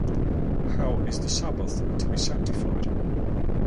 How is the sabbath to be sanctified?